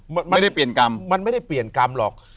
มันไม่ได้เปลี่ยนกรรมมันไม่ได้เปลี่ยนกรรมหรอก